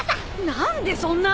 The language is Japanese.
何でそんな！？